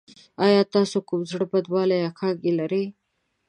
ایا تاسو کوم زړه بدوالی یا کانګې لرئ؟